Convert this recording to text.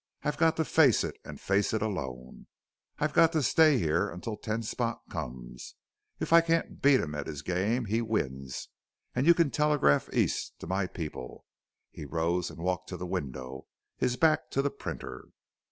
I've got to face it and face it alone. I've got to stay here until Ten Spot comes. If I can't beat him at his game he wins and you can telegraph East to my people." He rose and walked to the window, his back to the printer.